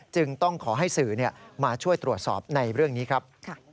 จึงต้องขอให้สื่อมาช่วยตรวจสอบในเรื่องนี้ครับ